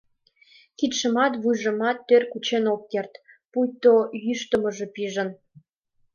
Кидшымат, вуйжымат тӧр кучен ок керт, пуйто йӱштымужо пижын.